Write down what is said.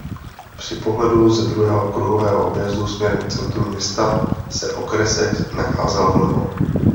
Při pohledu ze druhého kruhového objezdu směrem k centru města se okrsek nacházel vlevo.